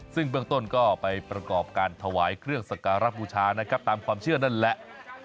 ซึ่งเบื้องต้นก็ไปประกอบการถวายเครื่องสการบูชานะครับตามความเชื่อนั่นแหละ